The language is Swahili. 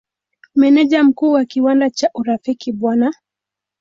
Meneja Mkuu wa kiwanda cha Urafiki Bw.